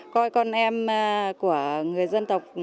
coi con em của người dân tộc